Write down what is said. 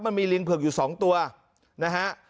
มันมีลิงเผือกอยู่๒ตัวนะฮะ